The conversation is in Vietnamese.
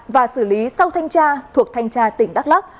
và xử lý sau thanh tra thuộc thanh tra tỉnh đắk lắc